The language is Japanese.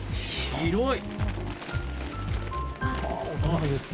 広い。